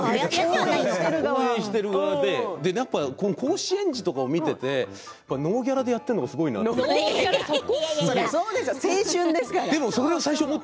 応援している側で甲子園児を見ていてノーギャラでやっているのは青春ですから。